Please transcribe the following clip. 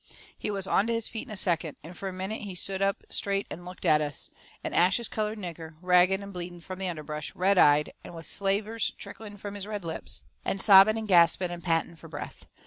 He was onto his feet in a second, and fur a minute he stood up straight and looked at us an ashes coloured nigger, ragged and bleeding from the underbrush, red eyed, and with slavers trickling from his red lips, and sobbing and gasping and panting fur breath.